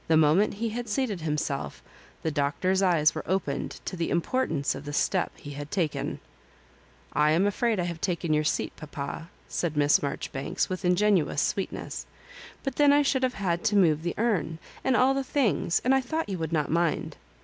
The moment he had seated himself the Doctor's eyes were opened to the importance of the step he had taken. <' I am afhdd I have taken your seat, papa," said Miss Marjoribanks, with inge nuous sweetness. " But then I should have had to move the urn, and all the things, and I thought you would not mind."